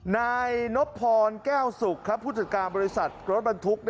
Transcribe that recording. นายนบพรแก้วสุกผู้จัดการบริษัทรถบรรทุก